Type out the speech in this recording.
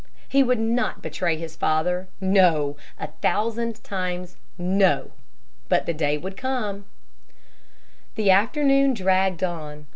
He would not betray his father no, a thousand times, no! But the day would come The afternoon dragged on.